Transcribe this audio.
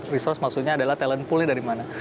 resource maksudnya adalah talent pool nya dari mana